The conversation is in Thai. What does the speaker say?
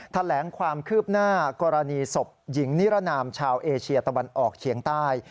แถลงความคืบหน้ากรณีศพหญิงนิรนามชาวเอเชียตะวันออกเฉียงใต้